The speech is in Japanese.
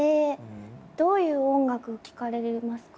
どういう音楽聴かれますか？